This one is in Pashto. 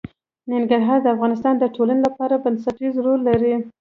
ننګرهار د افغانستان د ټولنې لپاره بنسټيز رول لري.